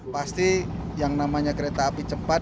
pasti yang namanya kereta api cepat